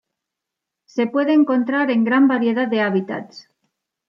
Se puede encontrar en gran variedad de hábitats.